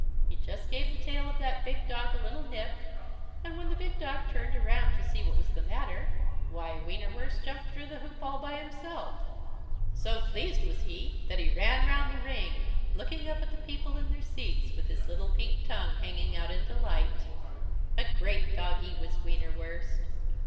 He just gave the tail of that big dog a little nip, and when the big dog turned around to see what was the matter, why Wienerwurst jumped through the hoop all by himself. So pleased was he that he ran round the ring, looking up at the people in their seats, with his little pink tongue hanging out in delight. A great doggie was Wienerwurst.